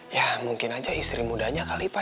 ya mungkin aja istri mudanya kali pak